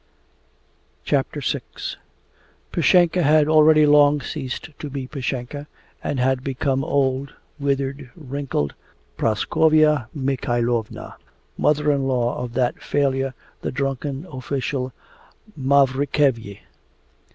VI Pashenka had already long ceased to be Pashenka and had become old, withered, wrinkled Praskovya Mikhaylovna, mother in law of that failure, the drunken official Mavrikyev.